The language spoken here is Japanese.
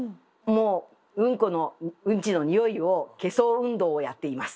もううんこのうんちのにおいを消そう運動をやっています。